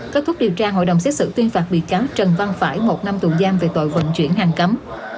kết thúc điều tra hội đồng xét xử tuyên phạt bị cáo trần văn phải một năm tù giam về tội vận chuyển hàng cấm